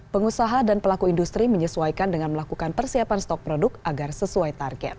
pengusaha dan pelaku industri menyesuaikan dengan melakukan persiapan stok produk agar sesuai target